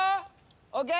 ＯＫ！